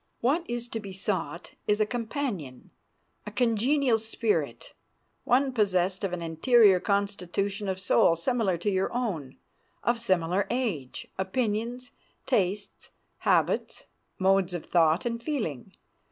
What is to be sought is a companion, a congenial spirit, one possessed of an interior constitution of soul similar to our own, of similar age, opinions, tastes, habits, modes of thought and feeling.